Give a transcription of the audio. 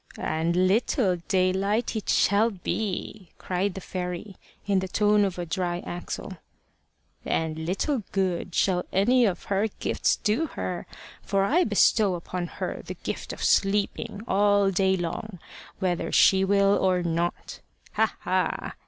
"And little daylight it shall be," cried the fairy, in the tone of a dry axle, "and little good shall any of her gifts do her. For I bestow upon her the gift of sleeping all day long, whether she will or not. Ha, ha!